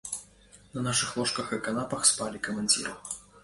На нашых ложках і канапах спалі камандзіры.